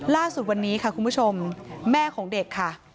ล่าสุดวันนี้ค่ะคุณผู้ชมแม่ของเด็กค่ะ